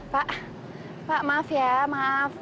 pak maaf ya maaf